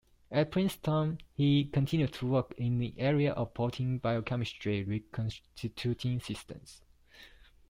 At Princeton, he continued to work in the area of protein biochemistry, reconstituting systems.